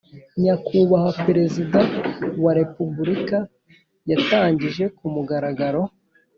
nyakubahwa perezida wa repubulika yatangije ku mugaragaro